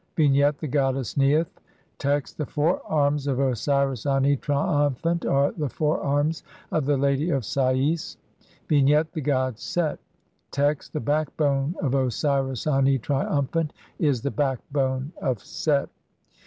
Vignette : The goddess Neith. Text: (11) The fore arms of Osiris Ani, triumphant, are the fore arms of the lady of Sa'fs. Vignette : The god Set. Text: (12) The backbone of Osiris Ani, triumphant, is the backbone of Set.